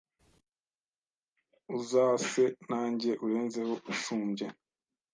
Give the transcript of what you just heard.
Uzase nanjye, urenzeho Unsumbye